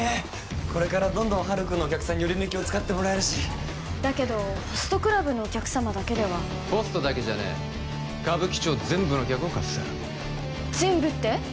これからどんどんハルくんのお客さんにヨリヌキを使ってもらえるしだけどホストクラブのお客様だけではホストだけじゃねえ歌舞伎町全部の客をかっさらう全部って？